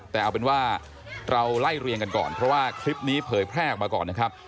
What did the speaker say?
แต่เอาเป็นว่าเราไล่เรียงกันก่อนเพราะว่าคลิปนี้เผยแพร่ออกมาก่อนนะครับ